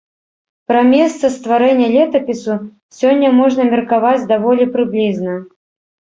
Пра месца стварэння летапісу сёння можна меркаваць даволі прыблізна.